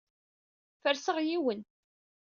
Ferseɣ yiwen.